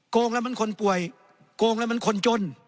งแล้วมันคนป่วยโกงแล้วมันคนจน